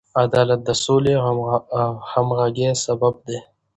عدالت د سولې او همغږۍ سبب دی.